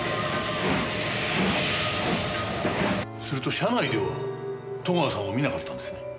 すると車内では戸川さんを見なかったんですね？